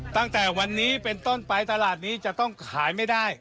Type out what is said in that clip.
ตั้งแต่วันนี้เป็นต้นไปตลาดนี้จะต้องขายไม่ได้